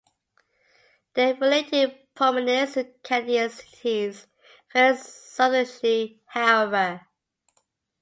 Their relative prominence in Canadian cities varies substantially, however.